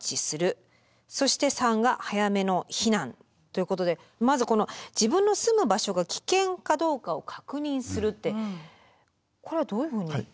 ということでまずこの自分の住む場所が危険かどうかを確認するってこれはどういうふうに？